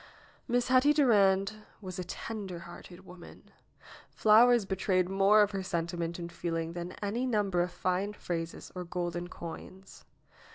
Miss Hetty Durand was a tender hearted woman. Flowers betrayed more of her sentiment and feeling than any number of fine phrases or golden coins.